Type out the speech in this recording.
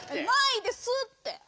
ないですって！